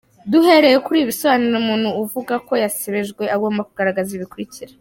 Duhereye kuri ibi bisobanuro, umuntu uvuga ko yasebejwe agomba kugaragaza ibi bikurikira :.